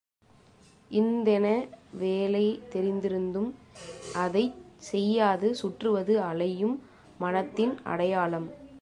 இன்தென வேலை தெரிந்திருந்தும் அதைச் செய்யாது சுற்றுவது அலையும் மனத்தின் அடையாளம்.